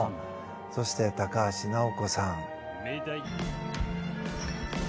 そして高橋尚子さん。